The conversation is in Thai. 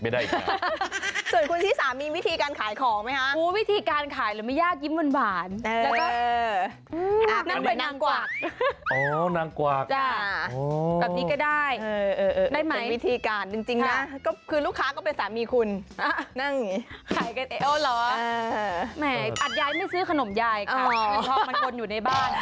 แหมตัดย้ายไม่ซื้อขนมยายค่ะเพราะว่าพ่อมันคนอยู่ในบ้าน